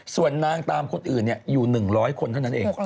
ส่วนนางตามคนอื่นอยู่๑๐๐คนเท่านั้นเอง